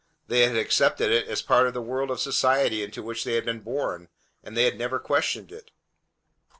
They had accepted it as a part of the world of society into which they had been born, and they had never questioned it.